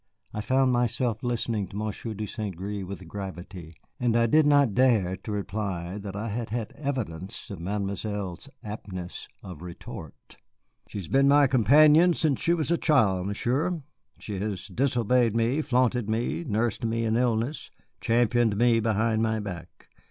I found myself listening to Monsieur de St. Gré with gravity, and I did not dare to reply that I had had evidence of Mademoiselle's aptness of retort. "She has been my companion since she was a child, Monsieur. She has disobeyed me, flaunted me, nursed me in illness, championed me behind my back.